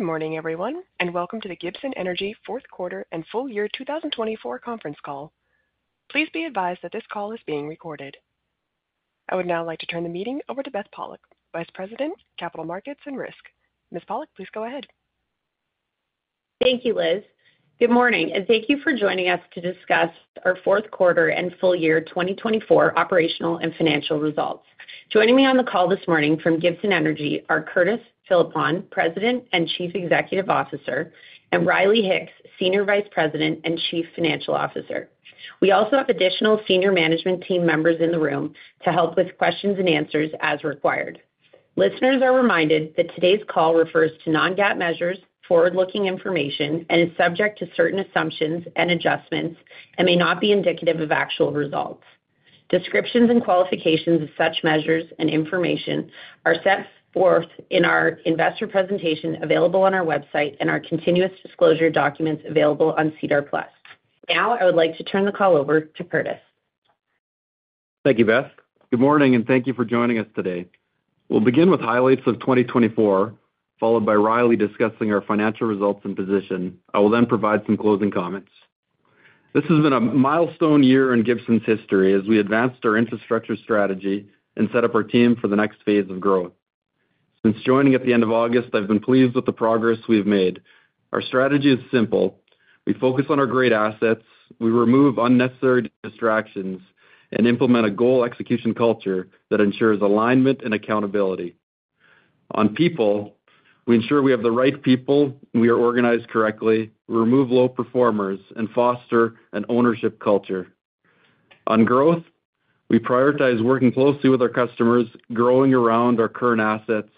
Good morning, everyone, and welcome to the Gibson Energy Fourth Quarter and Full Year 2024 Conference call. Please be advised that this call is being recorded. I would now like to turn the meeting over to Beth Pollock, Vice President, Capital Markets and Risk. Ms. Pollock, please go ahead. Thank you, Liz. Good morning, and thank you for joining us to discuss our Fourth Quarter and Full Year 2024 Operational and Financial Results. Joining me on the call this morning from Gibson Energy are Curtis Philippon, President and Chief Executive Officer, and Riley Hicks, Senior Vice President and Chief Financial Officer. We also have additional senior management team members in the room to help with questions and answers as required. Listeners are reminded that today's call refers to non-GAAP measures, forward-looking information, and is subject to certain assumptions and adjustments, and may not be indicative of actual results. Descriptions and qualifications of such measures and information are set forth in our investor presentation available on our website and our continuous disclosure documents available on SEDAR+. Now, I would like to turn the call over to Curtis. Thank you, Beth. Good morning, and thank you for joining us today. We'll begin with highlights of 2024, followed by Riley discussing our financial results and position. I will then provide some closing comments. This has been a milestone year in Gibson's history as we advanced our Infrastructure strategy and set up our team for the next phase of growth. Since joining at the end of August, I've been pleased with the progress we've made. Our strategy is simple. We focus on our great assets. We remove unnecessary distractions and implement a goal execution culture that ensures alignment and accountability. On people, we ensure we have the right people, we are organized correctly, remove low performers, and foster an ownership culture. On growth, we prioritize working closely with our customers, growing around our current assets,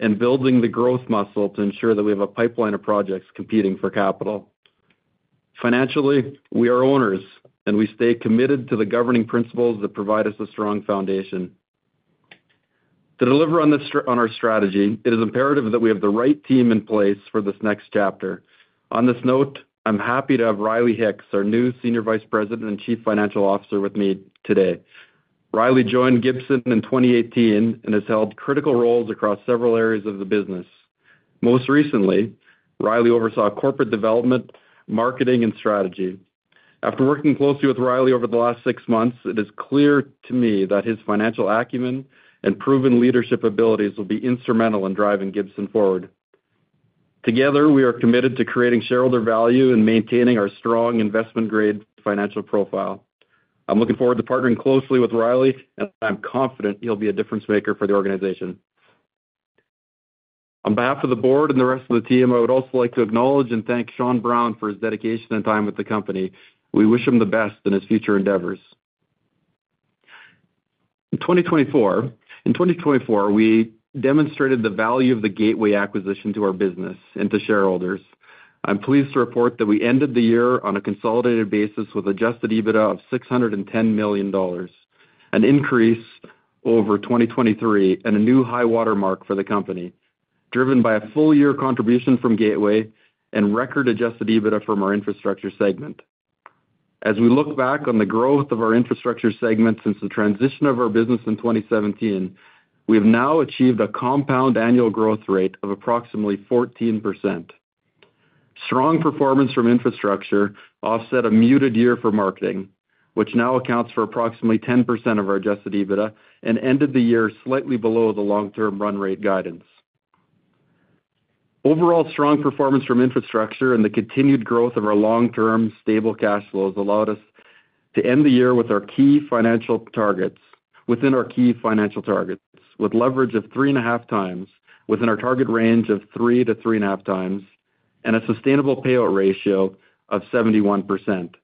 and building the growth muscle to ensure that we have a pipeline of projects competing for capital. Financially, we are owners, and we stay committed to the governing principles that provide us a strong foundation. To deliver on our strategy, it is imperative that we have the right team in place for this next chapter. On this note, I'm happy to have Riley Hicks, our new Senior Vice President and Chief Financial Officer, with me today. Riley joined Gibson in 2018 and has held critical roles across several areas of the business. Most recently, Riley oversaw Corporate Development, Marketing, and Strategy. After working closely with Riley over the last six months, it is clear to me that his financial acumen and proven leadership abilities will be instrumental in driving Gibson forward. Together, we are committed to creating shareholder value and maintaining our strong investment-grade financial profile. I'm looking forward to partnering closely with Riley, and I'm confident he'll be a difference-maker for the organization. On behalf of the board and the rest of the team, I would also like to acknowledge and thank Sean Brown for his dedication and time with the company. We wish him the best in his future endeavors. In 2024, we demonstrated the value of the Gateway acquisition to our business and to shareholders. I'm pleased to report that we ended the year on a consolidated basis with an Adjusted EBITDA of 610 million dollars, an increase over 2023, and a new high watermark for the company, driven by a full-year contribution from Gateway and record Adjusted EBITDA from our infrastructure segment. As we look back on the growth of our infrastructure segment since the transition of our business in 2017, we have now achieved a compound annual growth rate of approximately 14%. Strong performance from infrastructure offset a muted year for marketing, which now accounts for approximately 10% of our Adjusted EBITDA, and ended the year slightly below the long-term run rate guidance. Overall, strong performance from infrastructure and the continued growth of our long-term stable cash flows allowed us to end the year with our key financial targets within our target range of three to three and a half times, and a sustainable payout ratio of 71%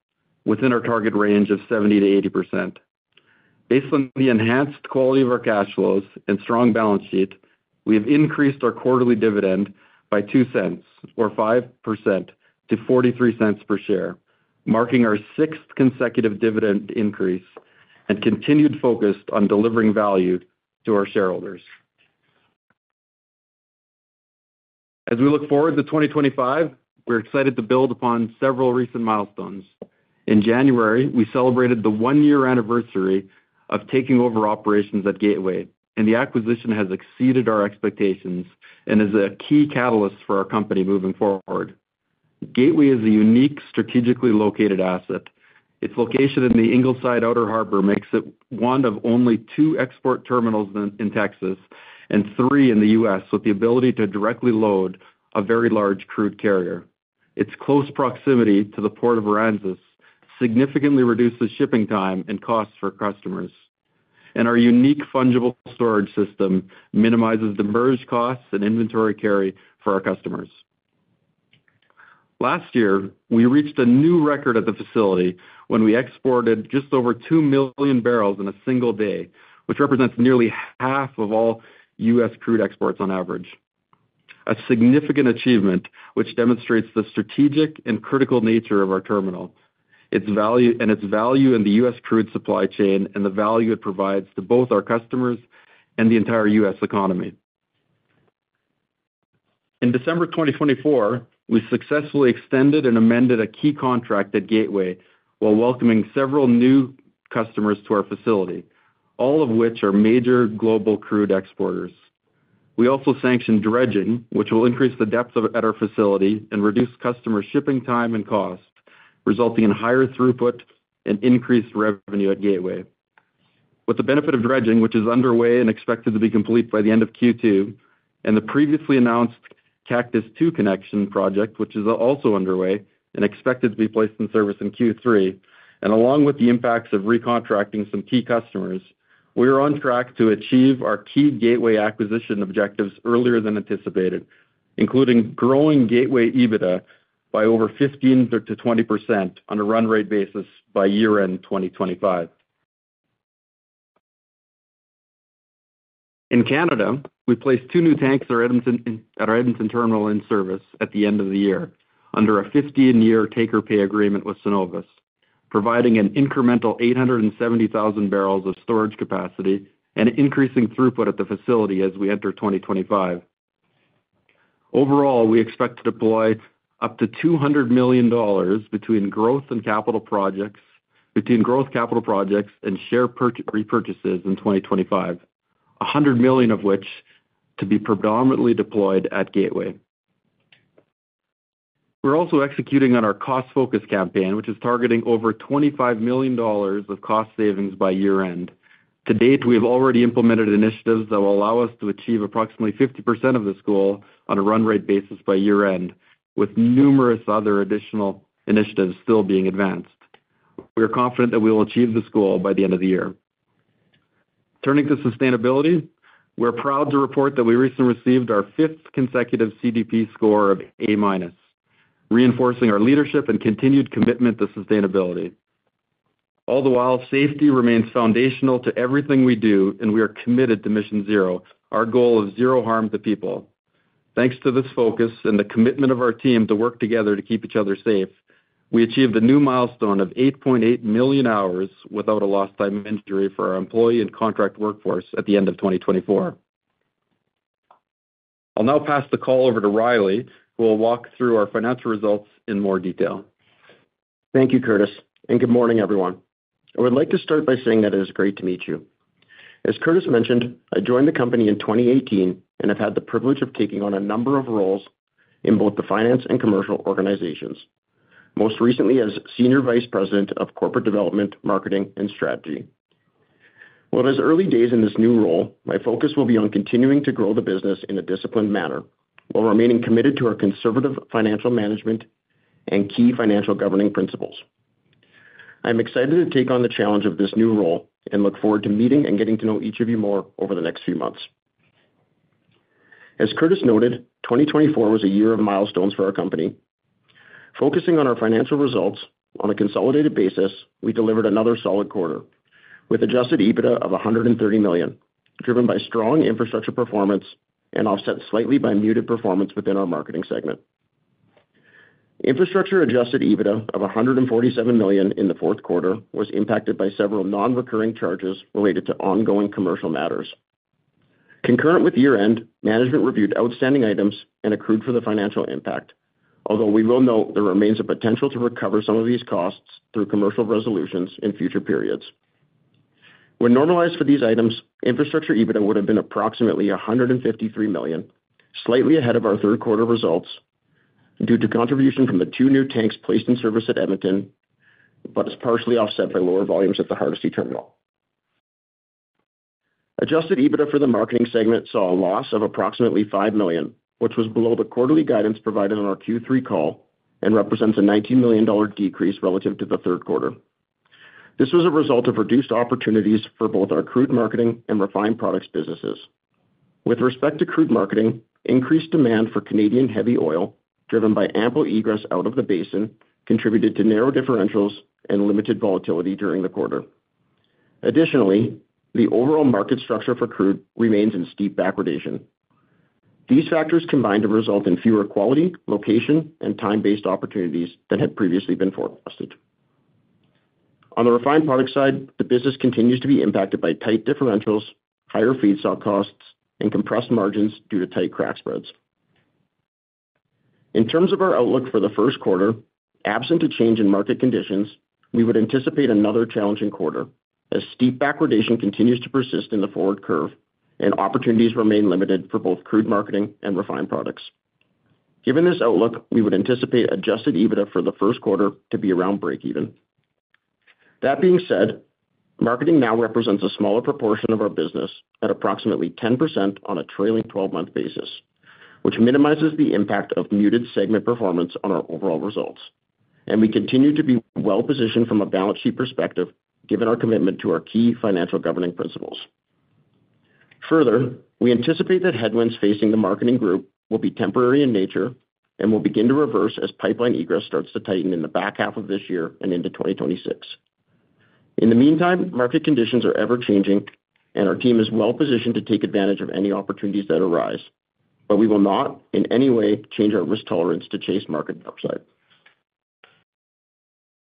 within our target range of 70%-80%. Based on the enhanced quality of our cash flows and strong balance sheet, we have increased our quarterly dividend by 0.02, or 5% to 0.43 per share, marking our sixth consecutive dividend increase and continued focus on delivering value to our shareholders. As we look forward to 2025, we're excited to build upon several recent milestones. In January, we celebrated the one-year anniversary of taking over operations at Gateway, and the acquisition has exceeded our expectations and is a key catalyst for our company moving forward. Gateway is a unique strategically located asset. Its location in the Ingleside Outer Harbor makes it one of only two export terminals in Texas and three in the U.S., with the ability to directly load a very large crude carrier. Its close proximity to the Port Aransas significantly reduces shipping time and costs for customers, and our unique fungible storage system minimizes the barge costs and inventory carry for our customers. Last year, we reached a new record at the facility when we exported just over two million barrels in a single day, which represents nearly half of all U.S. crude exports on average. A significant achievement, which demonstrates the strategic and critical nature of our terminal, its value in the U.S. crude supply chain, and the value it provides to both our customers and the entire U.S. economy. In December 2024, we successfully extended and amended a key contract at Gateway while welcoming several new customers to our facility, all of which are major global crude exporters. We also sanctioned dredging, which will increase the depth of our facility and reduce customer shipping time and cost, resulting in higher throughput and increased revenue at Gateway. With the benefit of dredging, which is underway and expected to be complete by the end of Q2, and the previously announced Cactus II connection project, which is also underway and expected to be placed in service in Q3, and along with the impacts of re-contracting some key customers, we are on track to achieve our key Gateway acquisition objectives earlier than anticipated, including growing Gateway EBITDA by over 15%-20% on a run rate basis by year-end 2025. In Canada, we placed two new tanks at our Edmonton Terminal in service at the end of the year under a 15-year take-or-pay agreement with Cenovus, providing an incremental 870,000 barrels of storage capacity and increasing throughput at the facility as we enter 2025. Overall, we expect to deploy up to 200 million dollars between growth and capital projects, between growth capital projects and share repurchases in 2025, 100 million of which to be predominantly deployed at Gateway. We're also executing on our cost-focused campaign, which is targeting over 25 million dollars of cost savings by year-end. To date, we have already implemented initiatives that will allow us to achieve approximately 50% of this goal on a run rate basis by year-end, with numerous other additional initiatives still being advanced. We are confident that we will achieve this goal by the end of the year. Turning to sustainability, we're proud to report that we recently received our fifth consecutive CDP score of A-minus, reinforcing our leadership and continued commitment to sustainability. All the while, safety remains foundational to everything we do, and we are committed to Mission Zero, our goal of zero harm to people. Thanks to this focus and the commitment of our team to work together to keep each other safe, we achieved a new milestone of 8.8 million hours without a lost time injury for our employee and contract workforce at the end of 2024. I'll now pass the call over to Riley, who will walk through our financial results in more detail. Thank you, Curtis, and good morning, everyone. I would like to start by saying that it is great to meet you. As Curtis mentioned, I joined the company in 2018 and have had the privilege of taking on a number of roles in both the finance and commercial organizations, most recently as Senior Vice President of Corporate Development, Marketing, and Strategy. In his early days in this new role, my focus will be on continuing to grow the business in a disciplined manner while remaining committed to our conservative financial management and key financial governing principles. I'm excited to take on the challenge of this new role and look forward to meeting and getting to know each of you more over the next few months. As Curtis noted, 2024 was a year of milestones for our company. Focusing on our financial results on a consolidated basis, we delivered another solid quarter with Adjusted EBITDA of 130 million, driven by strong infrastructure performance and offset slightly by muted performance within our marketing segment. Infrastructure Adjusted EBITDA of 147 million in the fourth quarter was impacted by several non-recurring charges related to ongoing commercial matters. Concurrent with year-end, management reviewed outstanding items and accrued for the financial impact, although we will note there remains a potential to recover some of these costs through commercial resolutions in future periods. When normalized for these items, infrastructure EBITDA would have been approximately 153 million, slightly ahead of our third quarter results due to contribution from the two new tanks placed in service at Edmonton, but it's partially offset by lower volumes at the Hardisty terminal. Adjusted EBITDA for the marketing segment saw a loss of approximately 5 million, which was below the quarterly guidance provided on our Q3 call and represents a 19 million dollar decrease relative to the third quarter. This was a result of reduced opportunities for both our crude marketing and refined products businesses. With respect to crude marketing, increased demand for Canadian heavy oil, driven by ample egress out of the basin, contributed to narrow differentials and limited volatility during the quarter. Additionally, the overall market structure for crude remains in steep backwardation. These factors combined result in fewer quality, location, and time-based opportunities than had previously been forecasted. On the refined product side, the business continues to be impacted by tight differentials, higher feedstock costs, and compressed margins due to tight crack spreads. In terms of our outlook for the first quarter, absent a change in market conditions, we would anticipate another challenging quarter as steep backwardation continues to persist in the forward curve and opportunities remain limited for both crude marketing and refined products. Given this outlook, we would anticipate Adjusted EBITDA for the first quarter to be around break-even. That being said, marketing now represents a smaller proportion of our business at approximately 10% on a trailing 12-month basis, which minimizes the impact of muted segment performance on our overall results, and we continue to be well-positioned from a balance sheet perspective given our commitment to our key financial governing principles. Further, we anticipate that headwinds facing the marketing group will be temporary in nature and will begin to reverse as pipeline egress starts to tighten in the back half of this year and into 2026. In the meantime, market conditions are ever-changing, and our team is well-positioned to take advantage of any opportunities that arise, but we will not in any way change our risk tolerance to chase market upside.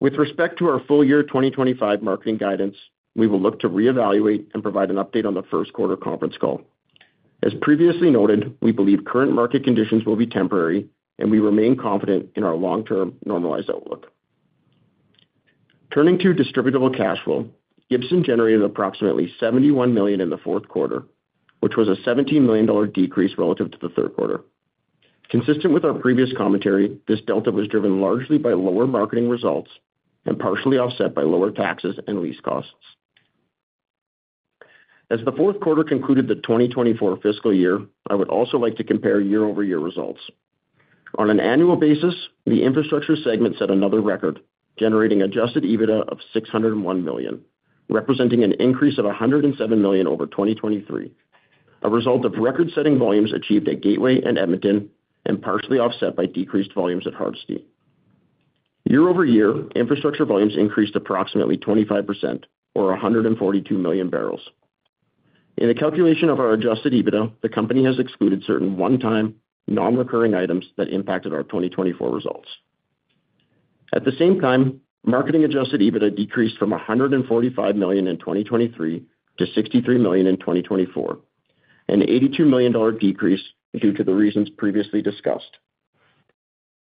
With respect to our full-year 2025 marketing guidance, we will look to reevaluate and provide an update on the first quarter conference call. As previously noted, we believe current market conditions will be temporary, and we remain confident in our long-term normalized outlook. Turning to Distributable Cash Flow, Gibson generated approximately 71 million in the fourth quarter, which was a 17 million dollar decrease relative to the third quarter. Consistent with our previous commentary, this delta was driven largely by lower marketing results and partially offset by lower taxes and lease costs. As the fourth quarter concluded the 2024 fiscal year, I would also like to compare year-over-year results. On an annual basis, the infrastructure segment set another record, generating Adjusted EBITDA of 601 million, representing an increase of 107 million over 2023, a result of record-setting volumes achieved at Gateway and Edmonton and partially offset by decreased volumes at Hardisty. Year-over-year, infrastructure volumes increased approximately 25%, or 142 million barrels. In the calculation of our Adjusted EBITDA, the company has excluded certain one-time non-recurring items that impacted our 2024 results. At the same time, Marketing Adjusted EBITDA decreased from 145 million in 2023 to 63 million in 2024, an $82 million decrease due to the reasons previously discussed.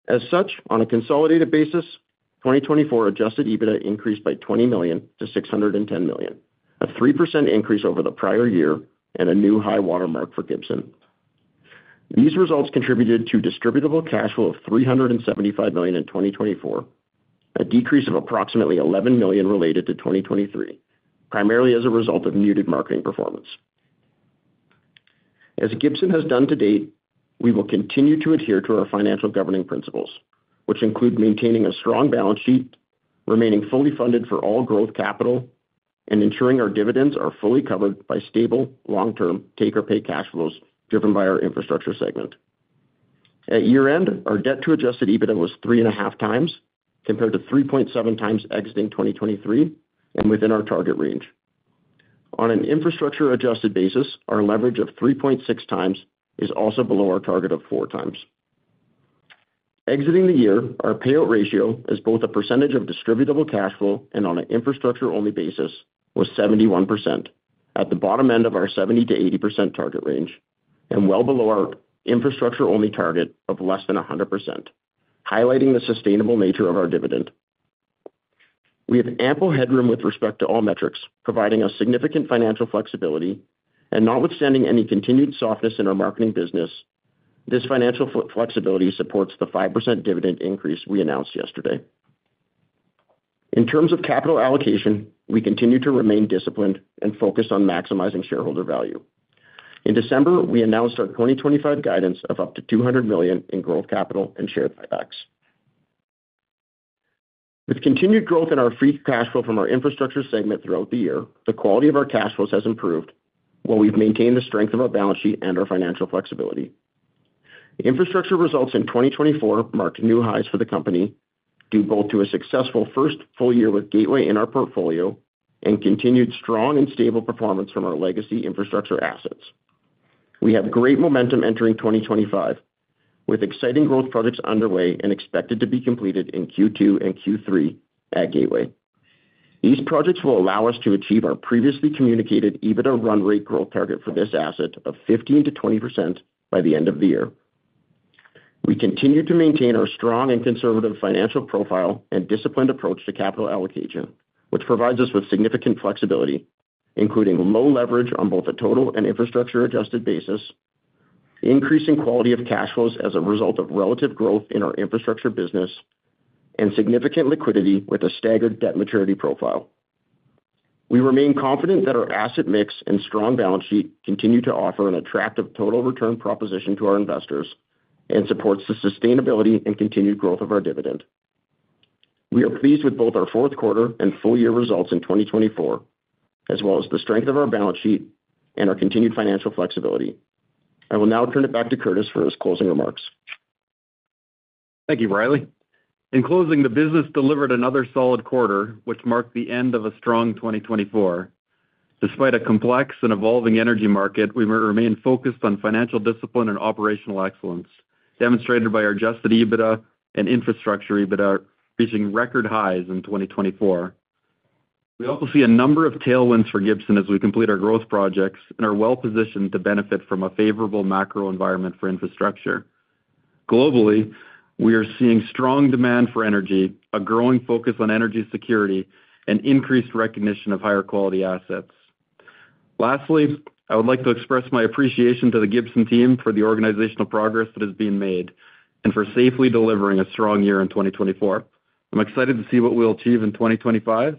As such, on a consolidated basis, 2024 Adjusted EBITDA increased by 20 million to 610 million, a 3% increase over the prior year and a new high watermark for Gibson. These results contributed to distributable cash flow of 375 million in 2024, a decrease of approximately 11 million related to 2023, primarily as a result of muted marketing performance. As Gibson has done to date, we will continue to adhere to our financial governing principles, which include maintaining a strong balance sheet, remaining fully funded for all growth capital, and ensuring our dividends are fully covered by stable long-term take-or-pay cash flows driven by our infrastructure segment. At year-end, our debt-to-Adjusted EBITDA was three and a half times compared to 3.7x exiting 2023 and within our target range. On an infrastructure-adjusted basis, our leverage of 3.6x is also below our target of 4x. Exiting the year, our payout ratio, as both a percentage of distributable cash flow and on an infrastructure-only basis, was 71% at the bottom end of our 70%-80% target range and well below our infrastructure-only target of less than 100%, highlighting the sustainable nature of our dividend. We have ample headroom with respect to all metrics, providing a significant financial flexibility and notwithstanding any continued softness in our marketing business, this financial flexibility supports the 5% dividend increase we announced yesterday. In terms of capital allocation, we continue to remain disciplined and focus on maximizing shareholder value. In December, we announced our 2025 guidance of up to 200 million in growth capital and share buybacks. With continued growth in our free cash flow from our infrastructure segment throughout the year, the quality of our cash flows has improved while we've maintained the strength of our balance sheet and our financial flexibility. Infrastructure results in 2024 marked new highs for the company due both to a successful first full year with Gateway in our portfolio and continued strong and stable performance from our legacy infrastructure assets. We have great momentum entering 2025 with exciting growth projects underway and expected to be completed in Q2 and Q3 at Gateway. These projects will allow us to achieve our previously communicated EBITDA run rate growth target for this asset of 15%-20% by the end of the year. We continue to maintain our strong and conservative financial profile and disciplined approach to capital allocation, which provides us with significant flexibility, including low leverage on both a total and infrastructure-adjusted basis, increasing quality of cash flows as a result of relative growth in our infrastructure business, and significant liquidity with a staggered debt maturity profile. We remain confident that our asset mix and strong balance sheet continue to offer an attractive total return proposition to our investors and support the sustainability and continued growth of our dividend. We are pleased with both our fourth quarter and full-year results in 2024, as well as the strength of our balance sheet and our continued financial flexibility. I will now turn it back to Curtis for his closing remarks. Thank you, Riley. In closing, the business delivered another solid quarter, which marked the end of a strong 2024. Despite a complex and evolving energy market, we remain focused on financial discipline and operational excellence, demonstrated by our Adjusted EBITDA and Infrastructure EBITDA reaching record highs in 2024. We also see a number of tailwinds for Gibson as we complete our growth projects and are well-positioned to benefit from a favorable macro environment for infrastructure. Globally, we are seeing strong demand for energy, a growing focus on energy security, and increased recognition of higher quality assets. Lastly, I would like to express my appreciation to the Gibson team for the organizational progress that is being made and for safely delivering a strong year in 2024. I'm excited to see what we'll achieve in 2025,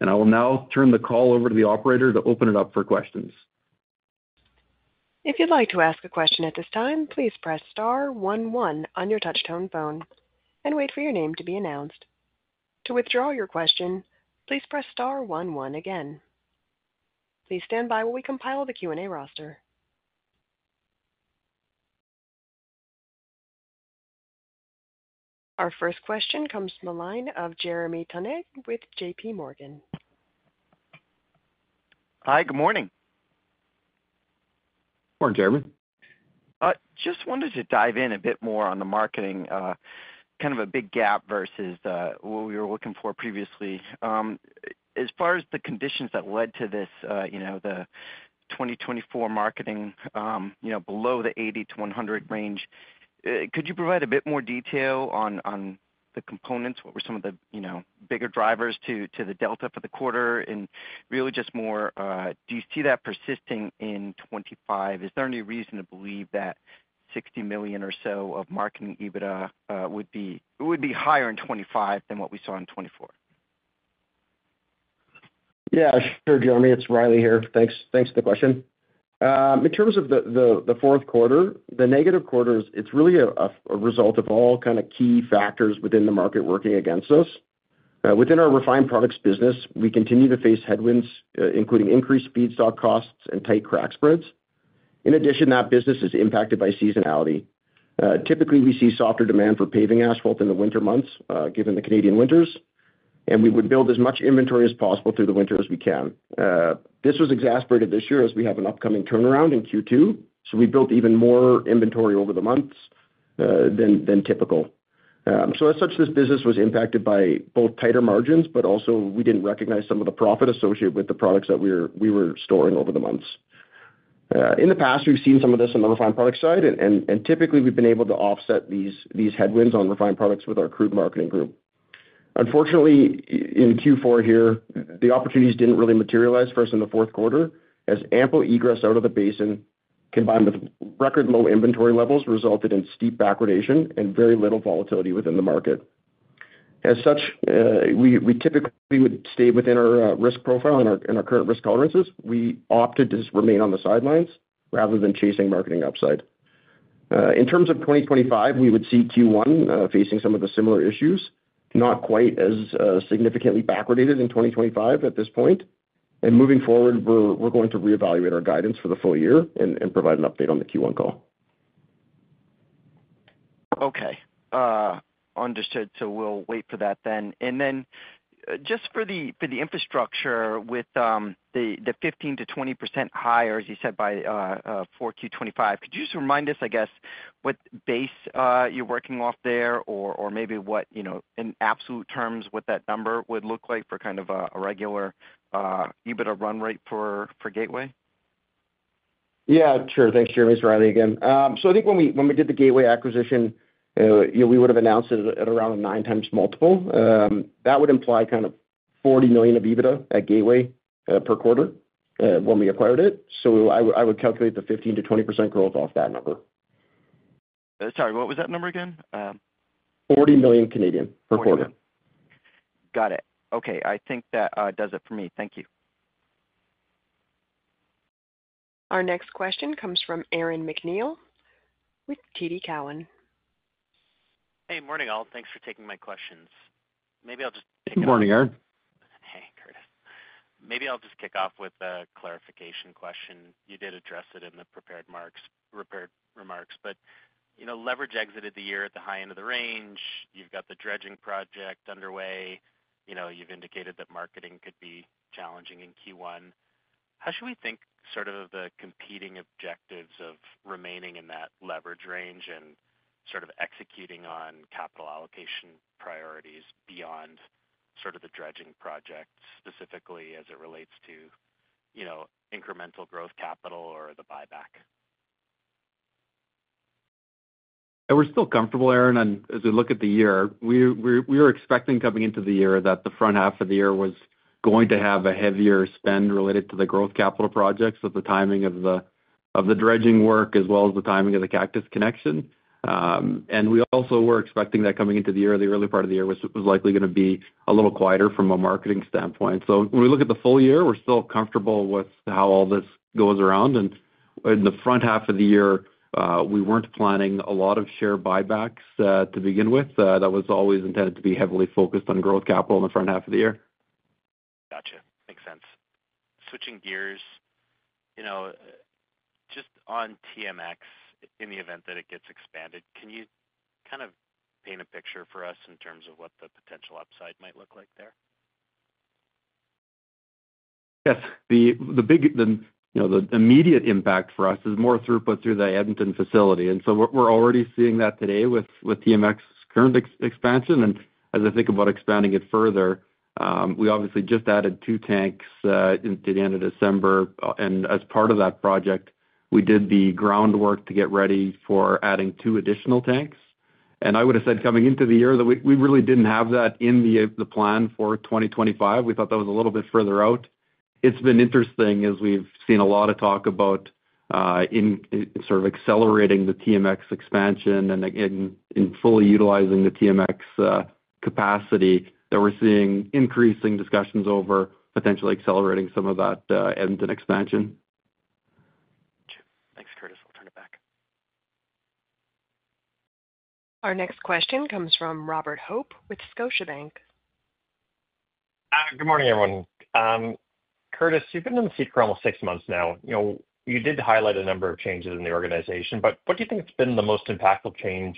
and I will now turn the call over to the operator to open it up for questions. If you'd like to ask a question at this time, please press star one one on your touchtone phone and wait for your name to be announced. To withdraw your question, please press star one one again. Please stand by while we compile the Q&A roster. Our first question comes from the line of Jeremy Tonet with JPMorgan. Hi, good morning. Morning, Jeremy. Just wanted to dive in a bit more on the marketing, kind of a big gap versus what we were looking for previously. As far as the conditions that led to this, the 2024 marketing below the 80 million-100 million range, could you provide a bit more detail on the components? What were some of the bigger drivers to the delta for the quarter? And really just more, do you see that persisting in 2025? Is there any reason to believe that 60 million or so of marketing EBITDA would be higher in 2025 than what we saw in 2024? Yeah, sure, Jeremy. It's Riley here. Thanks for the question. In terms of the fourth quarter, the negative quarters, it's really a result of all kind of key factors within the market working against us. Within our refined products business, we continue to face headwinds, including increased feedstock costs and tight crack spreads. In addition, that business is impacted by seasonality. Typically, we see softer demand for paving asphalt in the winter months, given the Canadian winters, and we would build as much inventory as possible through the winter as we can. This was exacerbated this year as we have an upcoming turnaround in Q2, so we built even more inventory over the months than typical. So as such, this business was impacted by both tighter margins, but also we didn't recognize some of the profit associated with the products that we were storing over the months. In the past, we've seen some of this on the refined product side, and typically, we've been able to offset these headwinds on refined products with our crude marketing group. Unfortunately, in Q4 here, the opportunities didn't really materialize first in the fourth quarter, as ample egress out of the basin combined with record low inventory levels resulted in steep backwardation and very little volatility within the market. As such, we typically would stay within our risk profile and our current risk tolerances. We opted to remain on the sidelines rather than chasing marketing upside. In terms of 2025, we would see Q1 facing some of the similar issues, not quite as significantly backwardated in 2025 at this point, and moving forward, we're going to reevaluate our guidance for the full year and provide an update on the Q1 call. Okay. Understood. So we'll wait for that then. And then just for the infrastructure with the 15%-20% higher, as you said, by Q2 2025, could you just remind us, I guess, what base you're working off there or maybe what, in absolute terms, what that number would look like for kind of a regular EBITDA run rate for Gateway? Yeah, sure. Thanks, Jeremy. It's Riley again. So I think when we did the Gateway acquisition, we would have announced it at around a nine times multiple. That would imply kind of 40 million of EBITDA at Gateway per quarter when we acquired it. So I would calculate the 15%-20% growth off that number. Sorry, what was that number again? 40 million per quarter. Got it. Okay. I think that does it for me. Thank you. Our next question comes from Aaron MacNeil with TD Cowen. Hey, morning all. Thanks for taking my questions. Maybe I'll just. Morning, Aaron. Hey, Curtis. Maybe I'll just kick off with a clarification question. You did address it in the prepared remarks, but leverage exited the year at the high end of the range. You've got the dredging project underway. You've indicated that marketing could be challenging in Q1. How should we think sort of the competing objectives of remaining in that leverage range and sort of executing on capital allocation priorities beyond sort of the dredging project, specifically as it relates to incremental growth capital or the buyback? We're still comfortable, Aaron, and as we look at the year, we were expecting coming into the year that the front half of the year was going to have a heavier spend related to the growth capital projects at the timing of the dredging work as well as the timing of the Cactus II connection, and we also were expecting that coming into the year, the early part of the year was likely going to be a little quieter from a marketing standpoint, so when we look at the full year, we're still comfortable with how all this goes around, and in the front half of the year, we weren't planning a lot of share buybacks to begin with. That was always intended to be heavily focused on growth capital in the front half of the year. Gotcha. Makes sense. Switching gears, just on TMX, in the event that it gets expanded, can you kind of paint a picture for us in terms of what the potential upside might look like there? Yes. The immediate impact for us is more throughput through the Edmonton facility, and so we're already seeing that today with TMX's current expansion, and as I think about expanding it further, we obviously just added two tanks into the end of December, and as part of that project, we did the groundwork to get ready for adding two additional tanks, and I would have said coming into the year that we really didn't have that in the plan for 2025. We thought that was a little bit further out. It's been interesting as we've seen a lot of talk about sort of accelerating the TMX expansion and fully utilizing the TMX capacity, that we're seeing increasing discussions over potentially accelerating some of that Edmonton expansion. Thanks, Curtis. I'll turn it back. Our next question comes from Robert Hope with Scotiabank. Good morning, everyone. Curtis, you've been on the seat for almost six months now. You did highlight a number of changes in the organization, but what do you think has been the most impactful change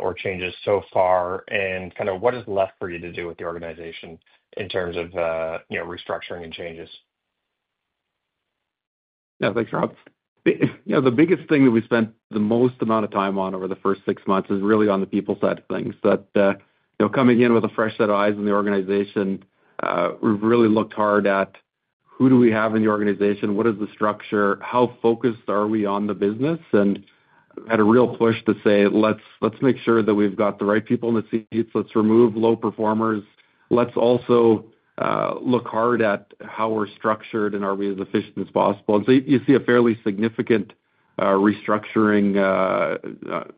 or changes so far, and kind of what is left for you to do with the organization in terms of restructuring and changes? Yeah, thanks, Rob. The biggest thing that we spent the most amount of time on over the first six months is really on the people side of things. Coming in with a fresh set of eyes in the organization, we've really looked hard at who do we have in the organization, what is the structure, how focused are we on the business, and had a real push to say, "Let's make sure that we've got the right people in the seats. Let's remove low performers. Let's also look hard at how we're structured and are we as efficient as possible," and so you see a fairly significant restructuring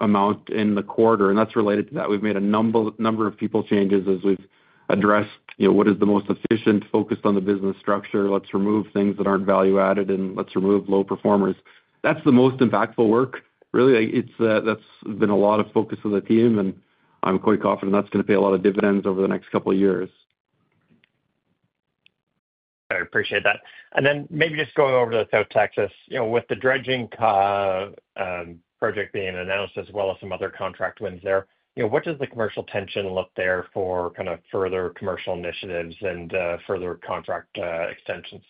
amount in the quarter, and that's related to that. We've made a number of people changes as we've addressed what is the most efficient, focused on the business structure. Let's remove things that aren't value-added and let's remove low performers. That's the most impactful work, really. That's been a lot of focus of the team, and I'm quite confident that's going to pay a lot of dividends over the next couple of years. I appreciate that. Then maybe just going over to South Texas with the dredging project being announced as well as some other contract wins there, what does the commercial traction look like there for kind of further commercial initiatives and further contract extensions?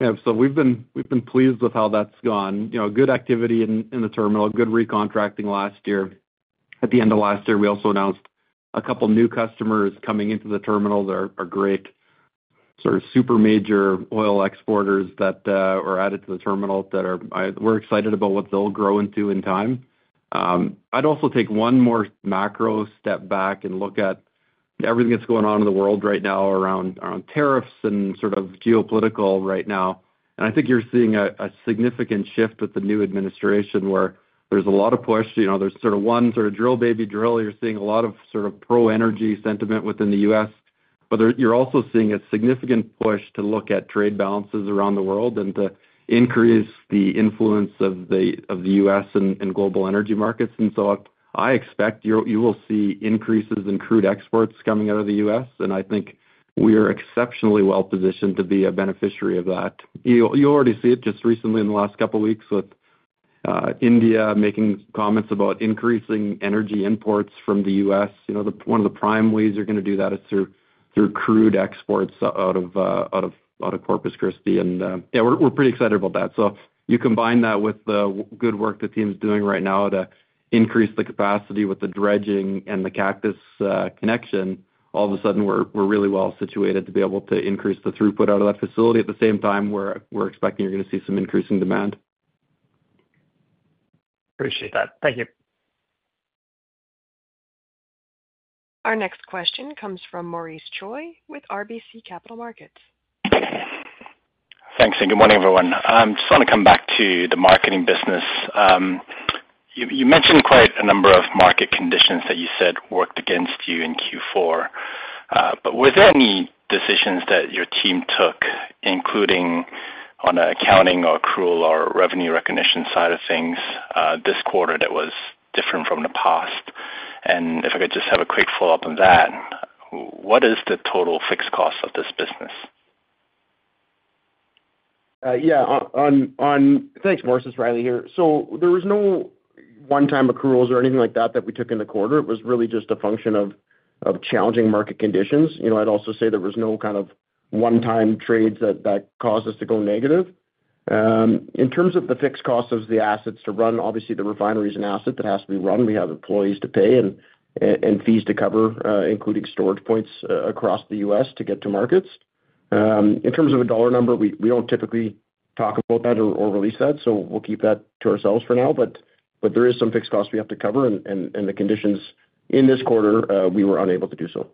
Yeah. So we've been pleased with how that's gone. Good activity in the terminal, good re-contracting last year. At the end of last year, we also announced a couple of new customers coming into the terminal that are great, sort of super major oil exporters that were added to the terminal that we're excited about what they'll grow into in time. I'd also take one more macro step back and look at everything that's going on in the world right now around tariffs and sort of geopolitical right now. And I think you're seeing a significant shift with the new administration where there's a lot of push. There's sort of one sort of drill, baby drill. You're seeing a lot of sort of pro-energy sentiment within the U.S., but you're also seeing a significant push to look at trade balances around the world and to increase the influence of the U.S. and global energy markets, and so I expect you will see increases in crude exports coming out of the U.S., and I think we are exceptionally well positioned to be a beneficiary of that. You already see it just recently in the last couple of weeks with India making comments about increasing energy imports from the U.S. One of the prime ways you're going to do that is through crude exports out of Corpus Christi, and yeah, we're pretty excited about that. So you combine that with the good work the team's doing right now to increase the capacity with the dredging and the Cactus II connection, all of a sudden, we're really well situated to be able to increase the throughput out of that facility. At the same time, we're expecting you're going to see some increasing demand. Appreciate that. Thank you. Our next question comes from Maurice Choy with RBC Capital Markets. Thanks. And good morning, everyone. I'm just going to come back to the marketing business. You mentioned quite a number of market conditions that you said worked against you in Q4, but were there any decisions that your team took, including on accounting or accrual or revenue recognition side of things this quarter that was different from the past? And if I could just have a quick follow-up on that, what is the total fixed cost of this business? Yeah. Thanks, Maurice. It's Riley here. So there was no one-time accruals or anything like that that we took in the quarter. It was really just a function of challenging market conditions. I'd also say there was no kind of one-time trades that caused us to go negative. In terms of the fixed cost of the assets to run, obviously, the refinery is an asset that has to be run. We have employees to pay and fees to cover, including storage points across the U.S. to get to markets. In terms of a dollar number, we don't typically talk about that or release that, so we'll keep that to ourselves for now. But there is some fixed cost we have to cover, and the conditions in this quarter, we were unable to do so.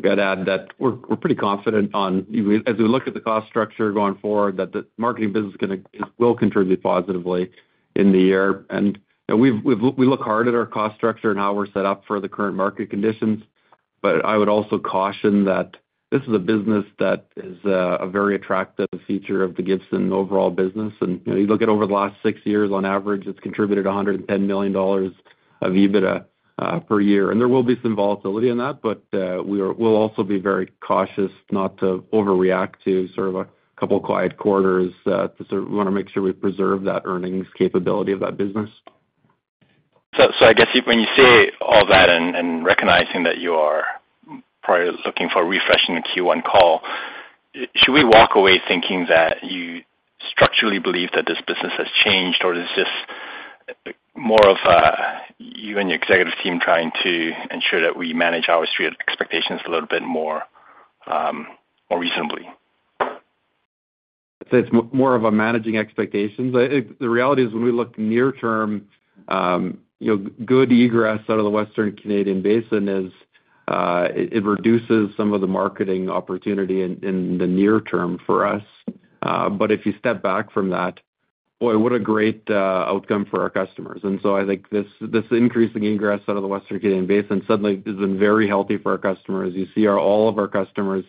You've got to add that we're pretty confident on, as we look at the cost structure going forward, that the marketing business will contribute positively in the year, and we look hard at our cost structure and how we're set up for the current market conditions, but I would also caution that this is a business that is a very attractive feature of the Gibson overall business, and you look at over the last six years, on average, it's contributed 110 million dollars of EBITDA per year, and there will be some volatility in that, but we'll also be very cautious not to overreact to sort of a couple of quiet quarters. We want to make sure we preserve that earnings capability of that business. So I guess when you say all that and recognizing that you are probably looking for a refresh in the Q1 call, should we walk away thinking that you structurally believe that this business has changed, or is this more of you and your executive team trying to ensure that we manage our expectations a little bit more reasonably? I'd say it's more of a managing expectations. The reality is, when we look near-term, good egress out of the Western Canadian Basin. It reduces some of the marketing opportunity in the near term for us. But if you step back from that, boy, what a great outcome for our customers. And so I think this increasing egress out of the Western Canadian Basin suddenly has been very healthy for our customers. You see all of our customers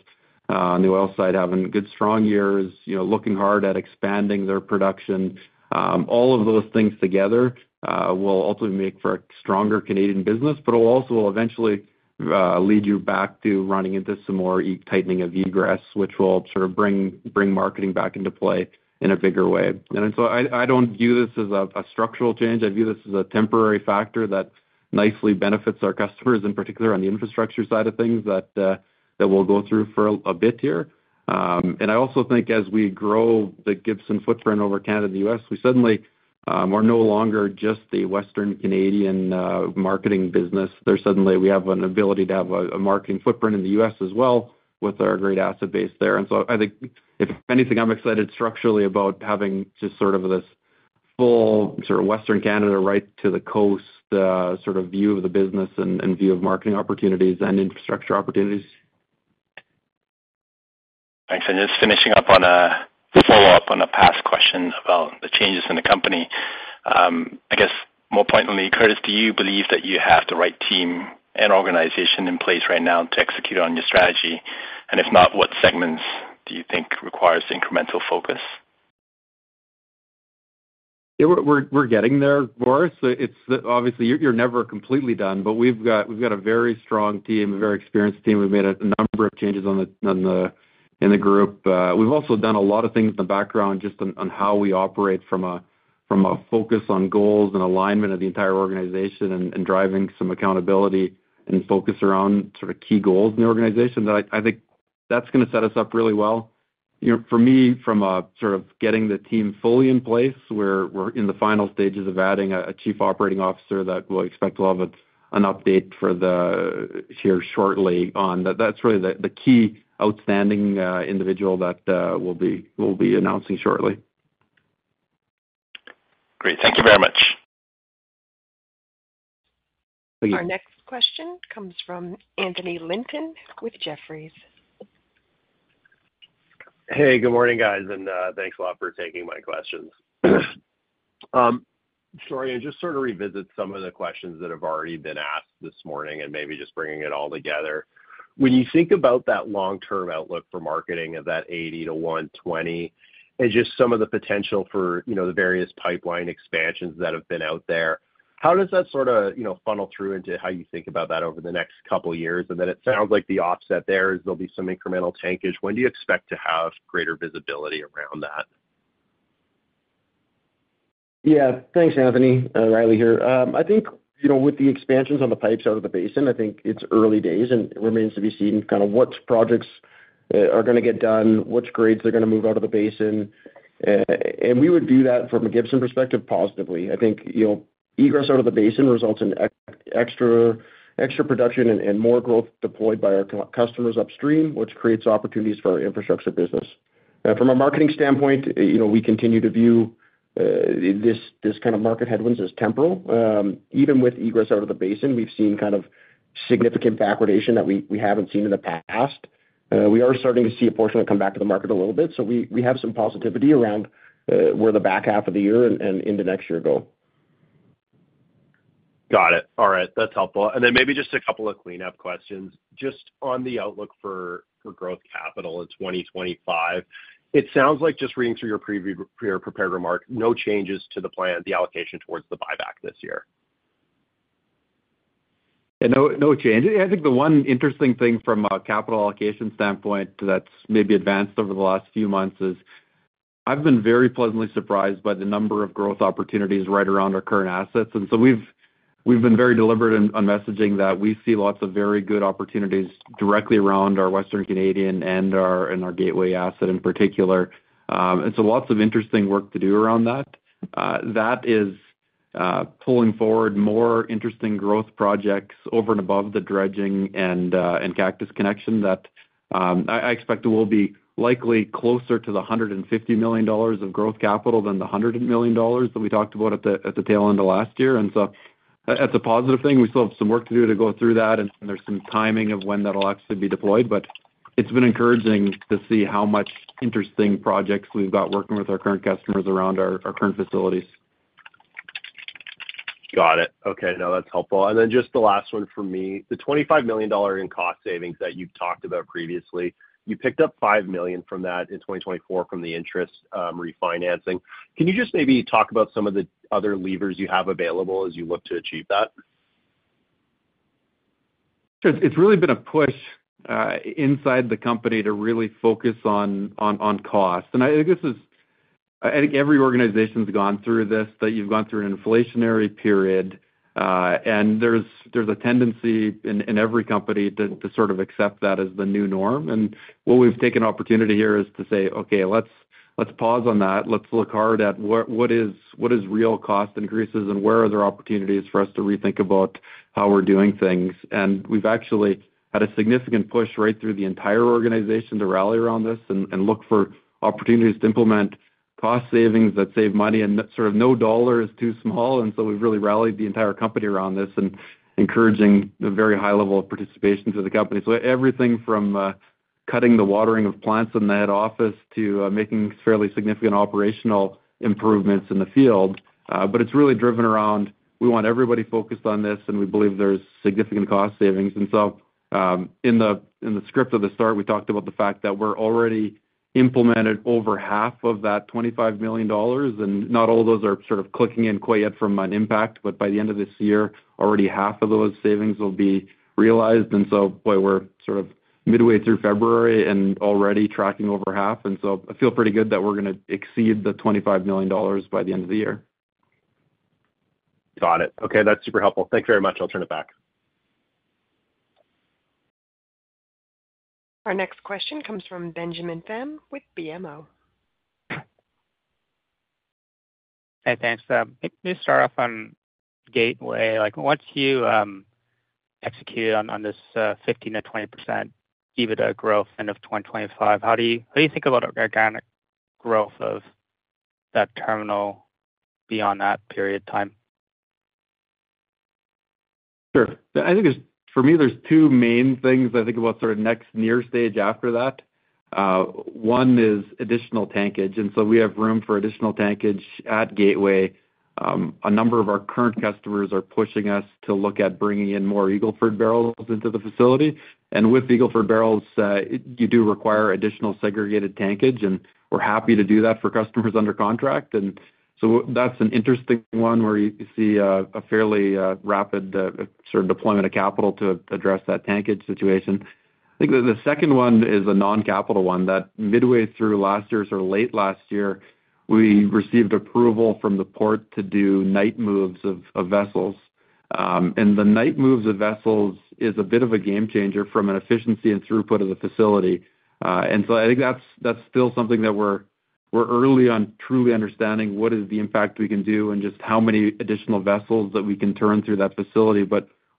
on the oil side having good, strong years, looking hard at expanding their production. All of those things together will ultimately make for a stronger Canadian business, but it will also eventually lead you back to running into some more tightening of egress, which will sort of bring marketing back into play in a bigger way. And so I don't view this as a structural change. I view this as a temporary factor that nicely benefits our customers, in particular on the infrastructure side of things, that we'll go through for a bit here. And I also think as we grow the Gibson footprint over Canada and the U.S., we suddenly are no longer just the Western Canadian marketing business. We have an ability to have a marketing footprint in the U.S. as well with our great asset base there. And so I think if anything, I'm excited structurally about having just sort of this full sort of Western Canada right to the coast sort of view of the business and view of marketing opportunities and infrastructure opportunities. Thanks. And just finishing up on a follow-up on a past question about the changes in the company. I guess more importantly, Curtis, do you believe that you have the right team and organization in place right now to execute on your strategy? And if not, what segments do you think requires incremental focus? We're getting there, Maurice. Obviously, you're never completely done, but we've got a very strong team, a very experienced team. We've made a number of changes in the group. We've also done a lot of things in the background just on how we operate from a focus on goals and alignment of the entire organization and driving some accountability and focus around sort of key goals in the organization. I think that's going to set us up really well. For me, from sort of getting the team fully in place, we're in the final stages of adding a chief operating officer that we'll expect to have an update for here shortly on. That's really the key outstanding individual that we'll be announcing shortly. Great. Thank you very much. Thank you. Our next question comes from Anthony Linton with Jefferies. Hey, good morning, guys, and thanks a lot for taking my questions. Sorry, I just sort of revisit some of the questions that have already been asked this morning and maybe just bringing it all together. When you think about that long-term outlook for Marketing of that 80-120 and just some of the potential for the various pipeline expansions that have been out there, how does that sort of funnel through into how you think about that over the next couple of years? And then it sounds like the offset there is there'll be some incremental tankage. When do you expect to have greater visibility around that? Yeah. Thanks, Anthony. Riley here. I think with the expansions on the pipes out of the basin, I think it's early days and remains to be seen kind of what projects are going to get done, which grades are going to move out of the basin. And we would view that from a Gibson perspective positively. I think egress out of the basin results in extra production and more growth deployed by our customers upstream, which creates opportunities for our infrastructure business. From a marketing standpoint, we continue to view this kind of market headwinds as temporary. Even with egress out of the basin, we've seen kind of significant backwardation that we haven't seen in the past. We are starting to see a portion of it come back to the market a little bit. We have some positivity around where the back half of the year and into next year go. Got it. All right. That's helpful. And then maybe just a couple of cleanup questions. Just on the outlook for growth capital in 2025, it sounds like just reading through your prepared remark, no changes to the plan, the allocation towards the buyback this year. Yeah, no changes. I think the one interesting thing from a capital allocation standpoint that's maybe advanced over the last few months is I've been very pleasantly surprised by the number of growth opportunities right around our current assets. And so we've been very deliberate on messaging that we see lots of very good opportunities directly around our Western Canadian and our gateway asset in particular. And so lots of interesting work to do around that. That is pulling forward more interesting growth projects over and above the dredging and Cactus II connection that I expect will be likely closer to the 150 million dollars of growth capital than the 100 million dollars that we talked about at the tail end of last year. And so that's a positive thing. We still have some work to do to go through that, and there's some timing of when that will actually be deployed. But it's been encouraging to see how much interesting projects we've got working with our current customers around our current facilities. Got it. Okay. No, that's helpful. And then just the last one for me, the 25 million dollar in cost savings that you've talked about previously, you picked up 5 million from that in 2024 from the interest refinancing. Can you just maybe talk about some of the other levers you have available as you look to achieve that? It's really been a push inside the company to really focus on cost. And I think this is every organization's gone through this, that you've gone through an inflationary period, and there's a tendency in every company to sort of accept that as the new norm. And what we've taken opportunity here is to say, "Okay, let's pause on that. Let's look hard at what is real cost increases and where are there opportunities for us to rethink about how we're doing things." And we've actually had a significant push right through the entire organization to rally around this and look for opportunities to implement cost savings that save money, and sort of no dollar is too small. And so we've really rallied the entire company around this and encouraging a very high level of participation through the company. So everything from cutting the watering of plants in the head office to making fairly significant operational improvements in the field. But it's really driven around, "We want everybody focused on this, and we believe there's significant cost savings." And so in the script of the start, we talked about the fact that we're already implemented over half of that 25 million dollars. And not all of those are sort of clicking in quite yet from an impact, but by the end of this year, already half of those savings will be realized. And so, boy, we're sort of midway through February and already tracking over half. And so I feel pretty good that we're going to exceed the 25 million dollars by the end of the year. Got it. Okay. That's super helpful. Thank you very much. I'll turn it back. Our next question comes from Benjamin Pham with BMO. Hey, thanks. Let me start off on Gateway. Once you execute on this 15%-20% EBITDA growth end of 2025, how do you think about organic growth of that terminal beyond that period of time? Sure. I think for me, there's two main things I think about sort of next near stage after that. One is additional tankage, and so we have room for additional tankage at Gateway. A number of our current customers are pushing us to look at bringing in more Eagle Ford barrels into the facility, and with Eagle Ford barrels, you do require additional segregated tankage, and we're happy to do that for customers under contract. And so that's an interesting one where you see a fairly rapid sort of deployment of capital to address that tankage situation. I think the second one is a non-capital one that midway through last year or late last year, we received approval from the port to do night moves of vessels, and the night moves of vessels is a bit of a game changer from an efficiency and throughput of the facility. I think that's still something that we're early on truly understanding what is the impact we can do and just how many additional vessels that we can turn through that facility.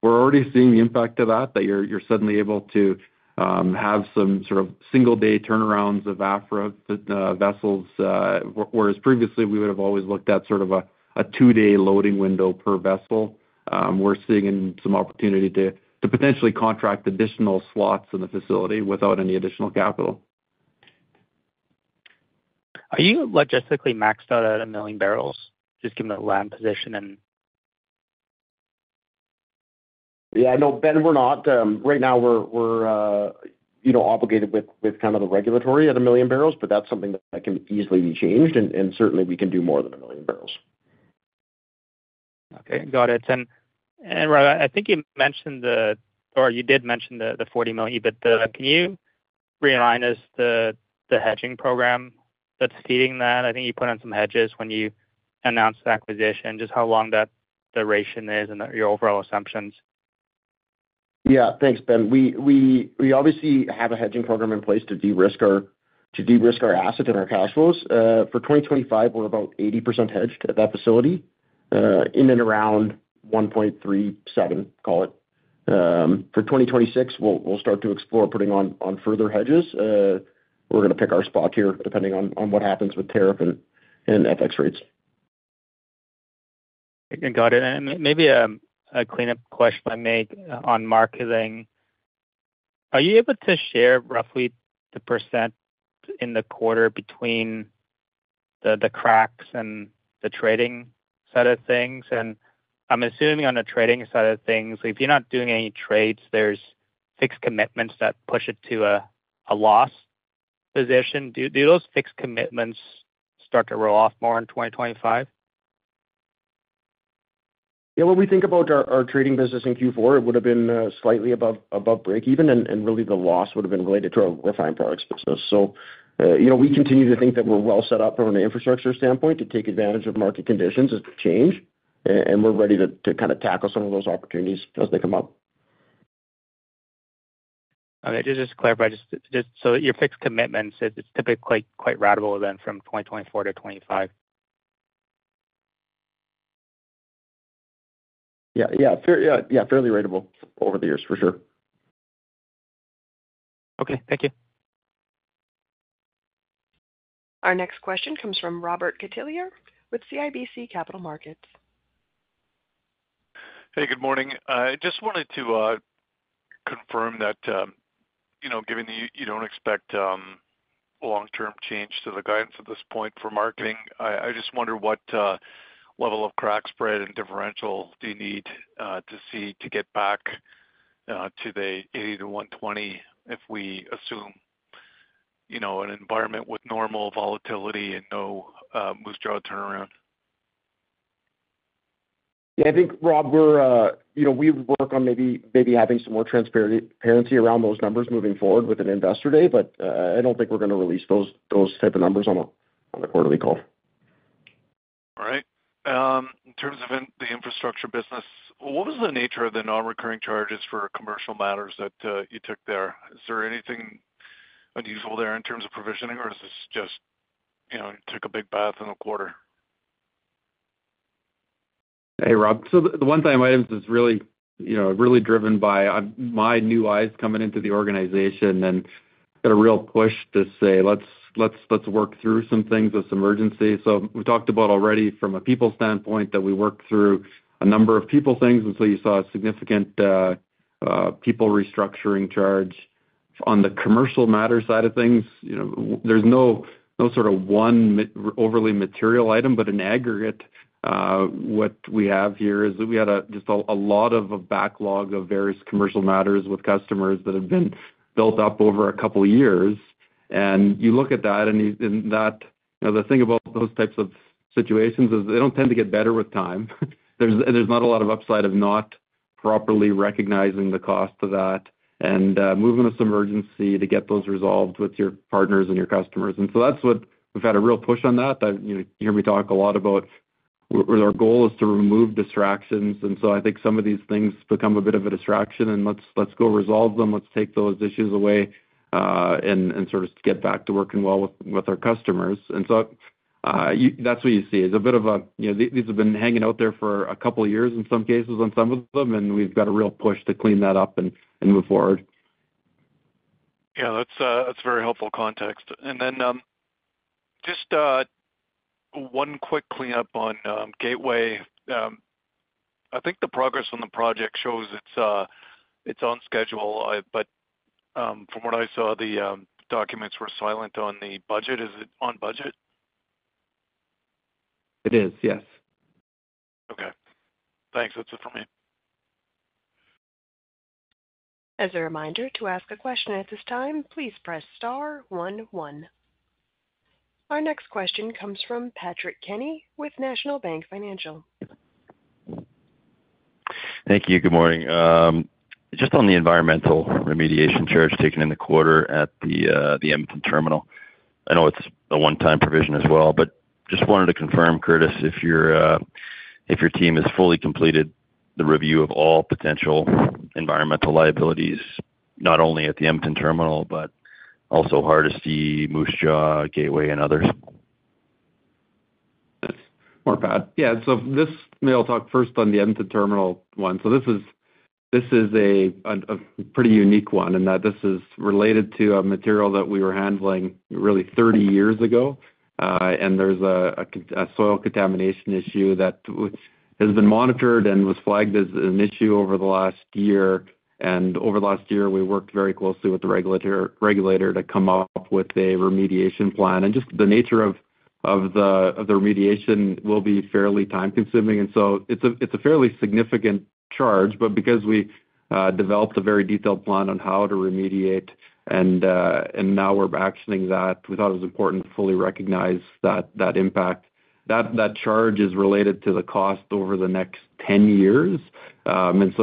We're already seeing the impact of that, that you're suddenly able to have some sort of single-day turnarounds of Aframax vessels, whereas previously we would have always looked at sort of a two-day loading window per vessel. We're seeing some opportunity to potentially contract additional slots in the facility without any additional capital. Are you logistically maxed out at a million barrels just given the land position and? Yeah. No, Ben, we're not. Right now, we're obligated with kind of the regulatory at a million barrels, but that's something that can easily be changed, and certainly, we can do more than a million barrels. Okay. Got it. And I think you mentioned, or you did mention, the 40 million EBITDA. Can you remind us of the hedging program that's feeding that? I think you put on some hedges when you announced the acquisition. Just how long that duration is and your overall assumptions? Yeah. Thanks, Ben. We obviously have a hedging program in place to de-risk our assets and our cash flows. For 2025, we're about 80% hedged at that facility in and around 1.37, call it. For 2026, we'll start to explore putting on further hedges. We're going to pick our spot here depending on what happens with tariff and FX rates. Okay. Got it. And maybe a cleanup question I make on marketing. Are you able to share roughly the percent in the quarter between the cracks and the trading side of things? And I'm assuming on the trading side of things, if you're not doing any trades, there's fixed commitments that push it to a loss position. Do those fixed commitments start to roll off more in 2025? Yeah. When we think about our trading business in Q4, it would have been slightly above breakeven, and really the loss would have been related to our refined products business. So we continue to think that we're well set up from an infrastructure standpoint to take advantage of market conditions as they change. And we're ready to kind of tackle some of those opportunities as they come up. Okay. Just to clarify, so your fixed commitments, it's typically quite ratable then from 2024 to 2025? Yeah. Yeah. Yeah. Fairly ratable over the years, for sure. Okay. Thank you. Our next question comes from Robert Catellier with CIBC Capital Markets. Hey, good morning. I just wanted to confirm that given you don't expect long-term change to the guidance at this point for marketing, I just wonder what level of crack spread and differential do you need to see to get back to the 80-120 if we assume an environment with normal volatility and no Moose Jaw turnaround? Yeah. I think, Rob, we work on maybe having some more transparency around those numbers moving forward with an investor day, but I don't think we're going to release those type of numbers on a quarterly call. All right. In terms of the infrastructure business, what was the nature of the non-recurring charges for commercial matters that you took there? Is there anything unusual there in terms of provisioning, or is this just you took a big bath in the quarter? Hey, Rob. So the one thing I might have is really driven by my new eyes coming into the organization and got a real push to say, "Let's work through some things of some urgency." So we talked about already from a people standpoint that we work through a number of people things. And so you saw a significant people restructuring charge on the commercial matter side of things. There's no sort of one overly material item, but an aggregate. What we have here is that we had just a lot of backlog of various commercial matters with customers that had been built up over a couple of years. And you look at that, and the thing about those types of situations is they don't tend to get better with time. There's not a lot of upside of not properly recognizing the cost of that and moving with some urgency to get those resolved with your partners and your customers, and so that's what we've had a real push on that. You hear me talk a lot about our goal is to remove distractions, and so I think some of these things become a bit of a distraction, and let's go resolve them. Let's take those issues away and sort of get back to working well with our customers, and so that's what you see is a bit of a these have been hanging out there for a couple of years in some cases on some of them, and we've got a real push to clean that up and move forward. Yeah. That's very helpful context. And then just one quick cleanup on Gateway. I think the progress on the project shows it's on schedule, but from what I saw, the documents were silent on the budget. Is it on budget? It is. Yes. Okay. Thanks. That's it for me. As a reminder to ask a question at this time, please press star one one. Our next question comes from Patrick Kenny with National Bank Financial. Thank you. Good morning. Just on the environmental remediation charge taken in the quarter at the Edmonton terminal. I know it's a one-time provision as well, but just wanted to confirm, Curtis, if your team has fully completed the review of all potential environmental liabilities, not only at the Edmonton terminal, but also Hardisty, Moose Jaw, Gateway, and others. That's not bad. Yeah. So, I'll talk first on the Edmonton Terminal one. This is a pretty unique one in that this is related to a material that we were handling really 30 years ago, and there's a soil contamination issue that has been monitored and was flagged as an issue over the last year. Over the last year, we worked very closely with the regulator to come up with a remediation plan, and just the nature of the remediation will be fairly time-consuming. So it's a fairly significant charge, but because we developed a very detailed plan on how to remediate, and now we're actioning that, we thought it was important to fully recognize that impact. That charge is related to the cost over the next 10 years.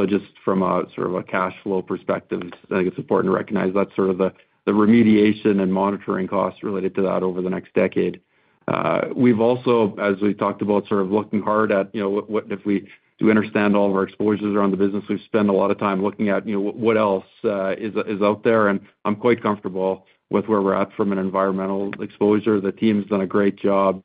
Just from a sort of a cash flow perspective, I think it's important to recognize that sort of the remediation and monitoring costs related to that over the next decade. We've also, as we talked about, sort of looking hard at what if we do understand all of our exposures around the business. We've spent a lot of time looking at what else is out there. I'm quite comfortable with where we're at from an environmental exposure. The team's done a great job.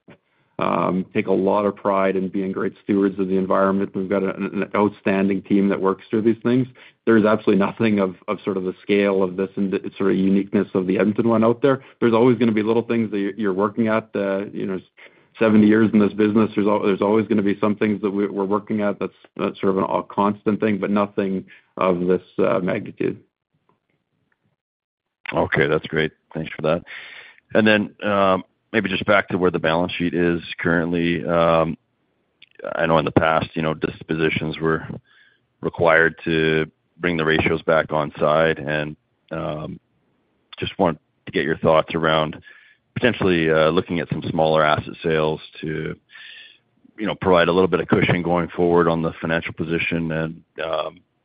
Take a lot of pride in being great stewards of the environment. We've got an outstanding team that works through these things. There's absolutely nothing of sort of the scale of this and sort of uniqueness of the Edmonton one out there. There's always going to be little things that you're working at. 70 years in this business, there's always going to be some things that we're working at that's sort of a constant thing, but nothing of this magnitude. Okay. That's great. Thanks for that. And then maybe just back to where the balance sheet is currently. I know in the past, dispositions were required to bring the ratios back onside. And just want to get your thoughts around potentially looking at some smaller asset sales to provide a little bit of cushion going forward on the financial position and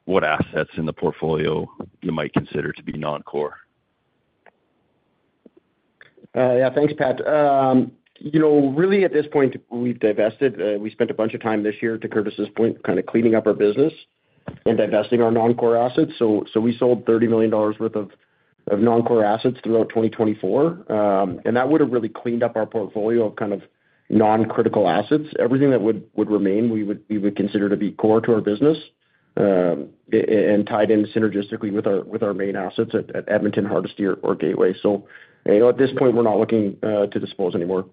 what assets in the portfolio you might consider to be non-core. Yeah. Thanks, Pat. Really, at this point, we've divested. We spent a bunch of time this year, to Curtis's point, kind of cleaning up our business and divesting our non-core assets. So we sold 30 million dollars worth of non-core assets throughout 2024. And that would have really cleaned up our portfolio of kind of non-critical assets. Everything that would remain, we would consider to be core to our business and tied in synergistically with our main assets at Edmonton, Hardisty, or Gateway. So at this point, we're not looking to dispose anymore.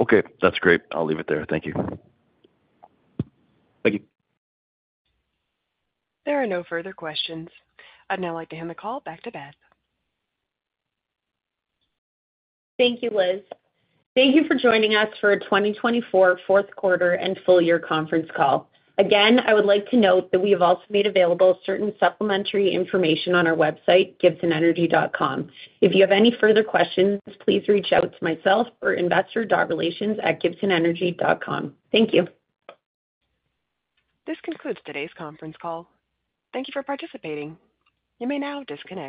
Okay. That's great. I'll leave it there. Thank you. Thank you. There are no further questions. I'd now like to hand the call back to Beth. Thank you, Liz. Thank you for joining us for a 2024 fourth quarter and full year conference call. Again, I would like to note that we have also made available certain supplementary information on our website, gibsonenergy.com. If you have any further questions, please reach out to myself or investor.relations@gibsonenergy.com. Thank you. This concludes today's conference call. Thank you for participating. You may now disconnect.